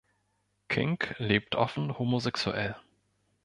King lebt offen homosexuell.